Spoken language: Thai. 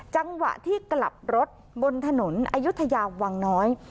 จังหวะที่กลับรถบนถนนอายุทยาวังน้อย